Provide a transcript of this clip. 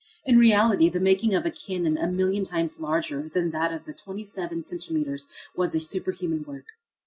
In reality the making of a cannon a million times larger than that of twenty seven centimetres was a superhuman work.